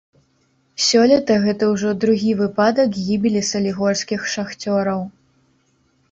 Сёлета гэта ўжо другі выпадак гібелі салігорскіх шахцёраў.